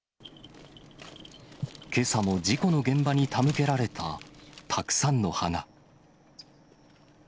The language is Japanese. けさも事故の現場に手向けられたたくさんの花。